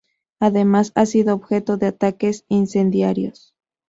Además, ha sido objeto de ataques incendiarios.